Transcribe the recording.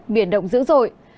biển động dữ dội